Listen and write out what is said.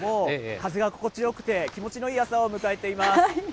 風が心地よくて、気持ちのいい朝を迎えています。